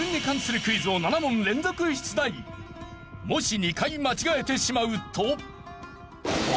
家康はもし２回間違えてしまうと。